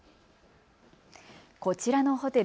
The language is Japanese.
こちらのホテル。